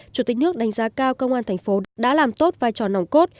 chủ tịch nước đánh giá cao công an thành phố đã làm tốt vai trò nòng cốt